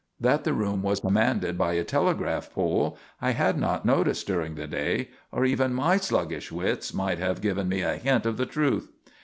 That the room was commanded by a telegraph pole I had not noticed during the day or even my sluggish wits might have given me a hint of the truth.